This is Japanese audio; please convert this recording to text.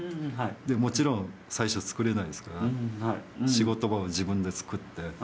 もちろん最初作れないですから仕事場を自分で作って。